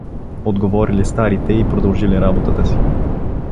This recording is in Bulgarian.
Отговорили старите и продължили работата си.